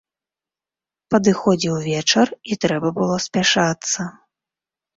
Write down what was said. Падыходзіў вечар, і трэба было спяшацца.